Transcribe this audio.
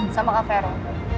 sama kak fero